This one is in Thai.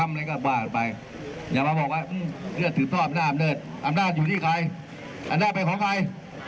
อำนาจอยู่ที่ใครอำนาจเป็นของใคร